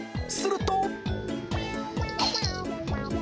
すると。